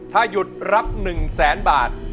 ถ้าหยุดรับ๑แสนบาท